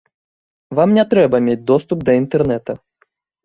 Вам не трэба мець доступ да інтэрнэта.